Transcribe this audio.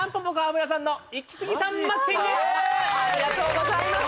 ありがとうございます